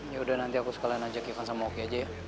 yaudah nanti aku sekalian ajak ivan sama woki aja ya